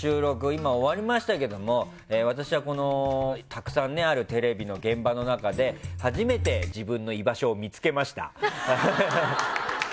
今、終わりましたけども私は、たくさんあるテレビの現場の中で初めて自分の居場所を見つけました。